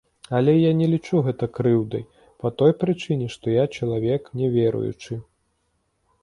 Але я не лічу гэта крыўдай па той прычыне, што я чалавек няверуючы.